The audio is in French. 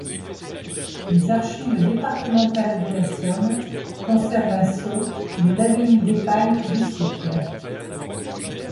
Les Archives départementales de la Somme conservent un sceau de l'abbaye d'Epagne du siècle.